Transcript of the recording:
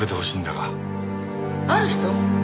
ある人？